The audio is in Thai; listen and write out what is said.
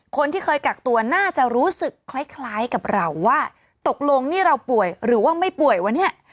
คนที่เคยกักตัวน่าจะรู้สึกคล้ายกับเราว่าตกลงนี่เราป่วยหรือว่าไม่ป่วยวะเนี่ย